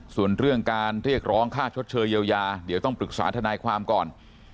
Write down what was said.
ส่วนเรื่องการเรียกร้องค่าชดเชยเยียวยาเดี๋ยวต้องปรึกษาทนายความก่อน